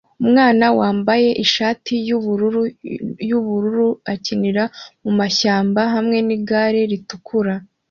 Umwana wambaye ishati yubururu yubururu ikinira mumashyamba hamwe nigare ritukura